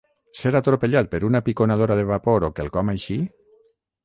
Ser atropellat per una piconadora de vapor o quelcom així?